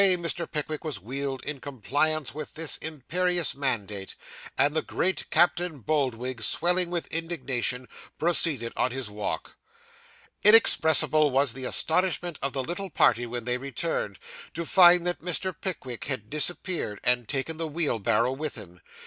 Away Mr. Pickwick was wheeled in compliance with this imperious mandate; and the great Captain Boldwig, swelling with indignation, proceeded on his walk. Inexpressible was the astonishment of the little party when they returned, to find that Mr. Pickwick had disappeared, and taken the wheel barrow with him.